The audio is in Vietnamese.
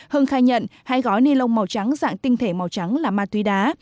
hưng khai nhận hai gói ni lông màu trắng dạng tinh thể màu trắng là ma túy đá